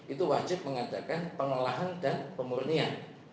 itu wajib mengajarkan pengelolaan dan pemurnian